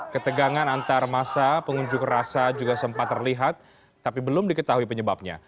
ketegangan antar masa pengunjuk rasa juga sempat terlihat tapi belum diketahui penyebabnya